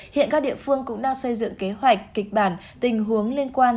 hiện các địa phương cũng đang xây dựng kế hoạch kịch bản tình huống liên quan